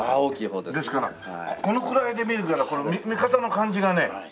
ですからこのくらいで見るから見方の感じがね。